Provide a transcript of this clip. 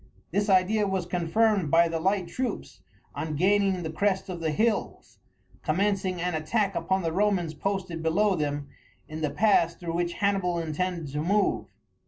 This idea was confirmed by the light troops, on gaining the crest of the hills, commencing an attack upon the Romans posted below them in the pass through which Hannibal intended to move.